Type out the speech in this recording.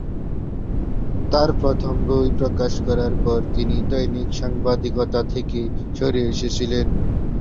তাঁর প্রথম বই প্রকাশ করার পর, তিনি দৈনিক সাংবাদিকতা থেকে সরে এসেছিলেন।